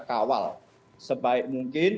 kawal sebaik mungkin